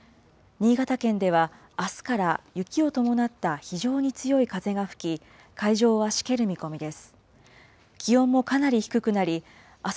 新潟県ではあすから雪を伴った非常に強い風が吹き、海上はしける見込みです。